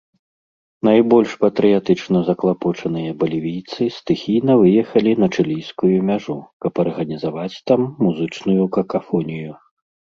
Найбольш патрыятычна заклапочаныя балівійцы стыхійна выехалі на чылійскую мяжу, каб арганізаваць там музычную какафонію.